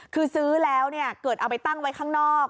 คือซื้อแล้วเกิดเอาไปตั้งไว้ข้างนอก